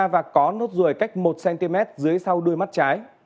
và có đốt rùi cách một cm dưới sau đuôi mắt trái